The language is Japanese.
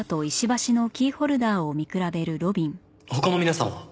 他の皆さんは？